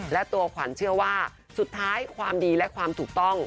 และตัวขวัญเชื่อว่าสุดท้ายความดีและความถูกต้อง